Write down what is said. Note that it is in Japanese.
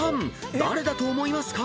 誰だと思いますか？